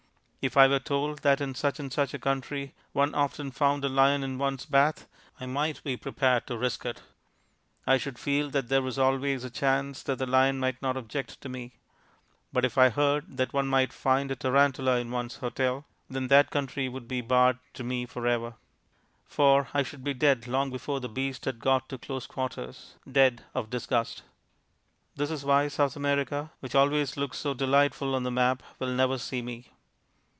If I were told that in such and such a country one often found a lion in one's bath, I might be prepared to risk it. I should feel that there was always a chance that the lion might not object to me. But if I heard that one might find a tarantula in one's hotel, then that country would be barred to me for ever. For I should be dead long before the beast had got to close quarters; dead of disgust. This is why South America, which always looks so delightful on the map, will never see me.